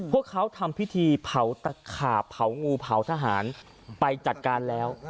พวกเขาทำพิธีเผาตะขาบเผางูเผาทหารไปจัดการแล้ว